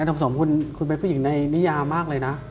ทำสมคุณเป็นผู้หญิงในนิยามมากเลยนะ